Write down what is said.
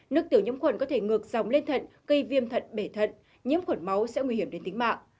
nước tiểu nhiễm khuẩn có thể ngược dòng lên thận gây viêm thận bể thận nhiễm khuẩn máu sẽ nguy hiểm đến tính mạng